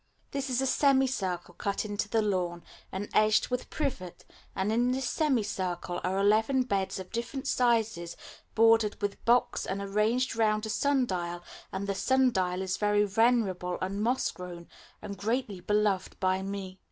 This is a semicircle cut into the lawn and edged with privet, and in this semicircle are eleven beds of different sizes bordered with box and arranged round a sun dial, and the sun dial is very venerable and moss grown, and greatly beloved by me.